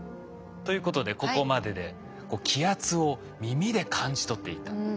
ということでここまでで気圧を耳で感じ取っていた。